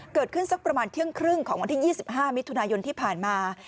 สักประมาณเที่ยงครึ่งของวันที่๒๕มิถุนายนที่ผ่านมา